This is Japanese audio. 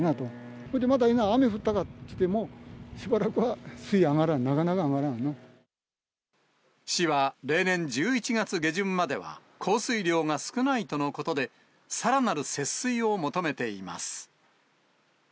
それでまた、今、雨降っても、しばらくは水位上がらん、市は、例年１１月下旬までは降水量が少ないとのことで、さらなる節水を求めています。